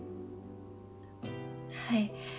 はい。